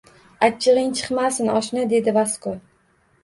Achchigʻing chiqmasin, oshna, – dedi Vasko.